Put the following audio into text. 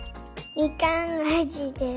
みかんあじです。